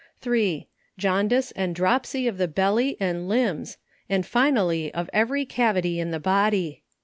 3. Jaundice and dropsy of the belly and limbs, and fi nally of every cavity in the body.